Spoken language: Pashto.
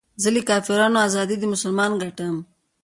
زه له کافرانو ازادي د مسلمان ګټم